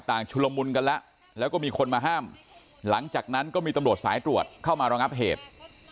ชุลมุนกันแล้วแล้วก็มีคนมาห้ามหลังจากนั้นก็มีตำรวจสายตรวจเข้ามารองับเหตุ